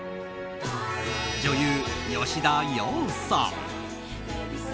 女優・吉田羊さん。